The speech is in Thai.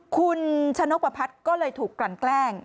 คุณชะนกประพัดก็เลยถูกกลั่นแกล้ง